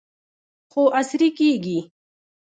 خو عصري کیږي.